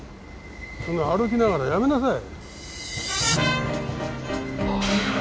その歩きながらやめなさい。